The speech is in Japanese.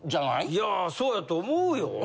いやぁそうやと思うよ。